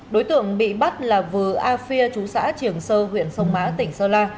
đối tượng bị bắt là vừa afia chú xã triều sơ huyện sơn mã tỉnh sơn la